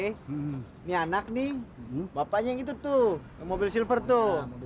ini anak nih bapaknya yang itu tuh mobil silver tuh